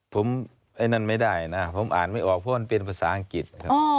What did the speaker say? ผมไอ้นั่นไม่ได้นะผมอ่านไม่ออกเพราะมันเป็นภาษาอังกฤษนะครับ